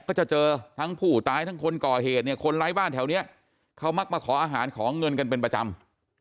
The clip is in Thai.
ก็จะเจอทั้งผู้ตายทั้งคนก่อเหตุเนี่ยคนไร้บ้านแถวนี้เขามักมาขออาหารขอเงินกันเป็นประจำ